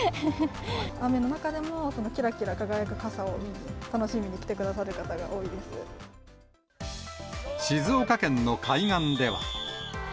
雨の中でもきらきら輝く傘を見に、楽しみに来てくださる方が静岡県の海岸では。